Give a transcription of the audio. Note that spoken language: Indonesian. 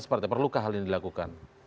seperti perlukah hal ini dilakukan